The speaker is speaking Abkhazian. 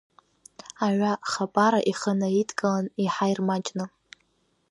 Аҩа Хапара ихы наидкылан, иаҳа ирмаҷны.